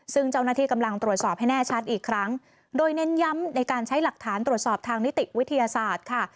ซึ่งเจ้าหน้าที่กำลังตรวจสอบให้แน่ชัดอีกครั้งโดยเน้นย้ำในการใช้หลักฐานตรวจสอบทางนิติวิทยาศาสตร์ค่ะ